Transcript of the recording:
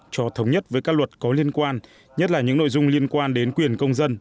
cho thống nhất với các luật có liên quan nhất là những nội dung liên quan đến quyền công dân